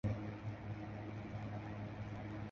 陈伟明前香港职业桌球运动员。